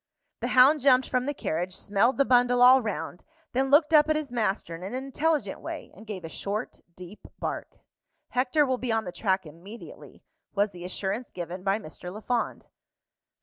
The hound jumped from the carriage, smelled the bundle all round, then looked up at his master in an intelligent way, and gave a short deep bark. "Hector will be on the track immediately," was the assurance given by Mr. Lafond.